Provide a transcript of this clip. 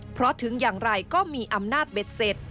เพราะถึงอย่างไรก็มีอำนาจเบ็ดเสร็จ